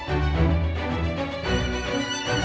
aku mau ke sana